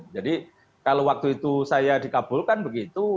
jadi kalau waktu itu saya dikabulkan begitu